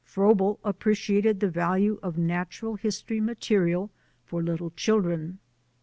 Froebel appreciated the value of natural history material for little children.